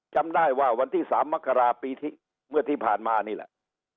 จำได้ว่าวันที่๓มกราปีที่เมื่อที่ผ่านมานี่แหละ